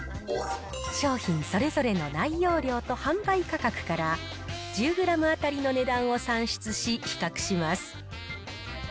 商品それぞれの内容量と販売価格から、１０グラム当たりの値段を算出し、比較します。